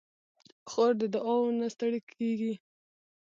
خور د دعاوو نه ستړې کېږي.